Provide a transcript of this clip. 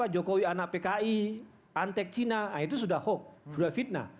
jokowi anak pki antek cina itu sudah hoax sudah fitnah